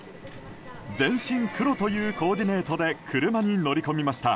全身黒というコーディネートで車に乗り込みました。